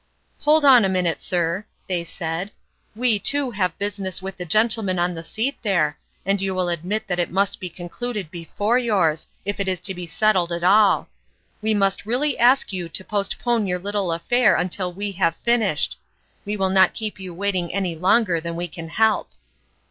" Hold on one minute, sir," they said ;" we, too, have business with the gentleman on the seat there, and you will admit that it must be concluded before yours, if it is to be settled at all. We must really ask you to postpone your little affair until we have finished. We will not keep you waiting any longer than we can help."